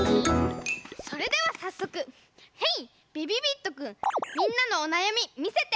それではさっそくヘイびびびっとくんみんなのおなやみみせて！